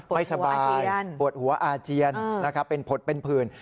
ปวดหัวอาเจียนไม่สบายเป็นผดเป็นผื่น